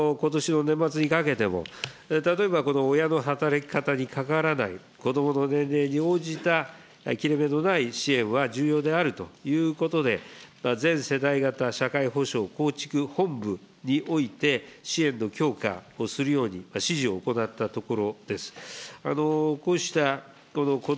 ことしの年末にかけても、例えばこの親の働き方にかかわらない、子どもの年齢に応じた切れ目のない支援は重要であるということで、全世帯型社会保障構築本部において、支援の強化を進めるように指示を行ったところです。